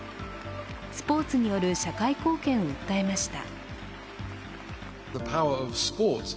スポーツによる社会貢献を訴えました。